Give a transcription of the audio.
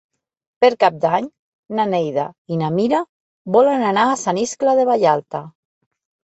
Per Cap d'Any na Neida i na Mira volen anar a Sant Iscle de Vallalta.